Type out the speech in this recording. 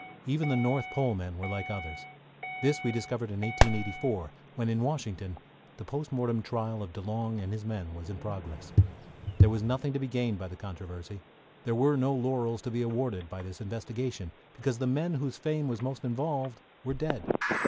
Even the North Pole men were like others. This we discovered in 1884, when, in Washington, the post mortem trial of DeLong and his men was in progress. There was nothing to be gained by the controversy. There were no laurels to be awarded by this investigation, because the men whose fame was most involved were dead.